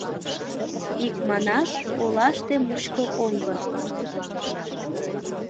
Икманаш, олаште мучко оҥгыр.